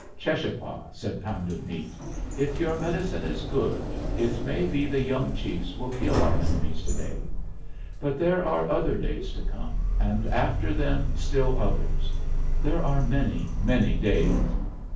"Cheschapah," said Pounded Meat, "if your medicine is good, it may be the young chiefs will kill our enemies to day. But there are other days to come, and after them still others; there are many, many days.